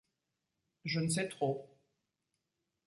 Je ne sais trop…